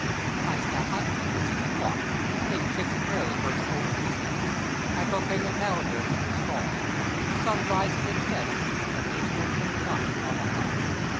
I snap my fingers at the clock. It ticks merely for its own amusement. I proclaim the calendar is false. The sun rises and sets but makes no chilling notch upon the heart.